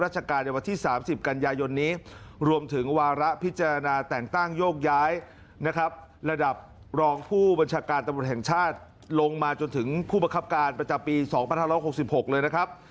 จนถึงผู้บัคคับการประจ่าปีต้น๒๖๖๖เลยนะครับ